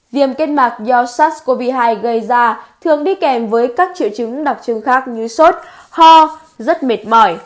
viêm kết mạc do sars cov hai gây ra thường đi kèm với các triệu chứng đặc trưng khác như sốt ho rất mệt mỏi